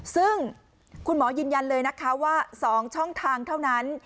ซึ่งคุณหมอยืนยันเลยนะคะว่า๒ช่องทางเท่านั้น